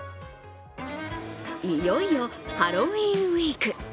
いよいよハロウィーンウィーク。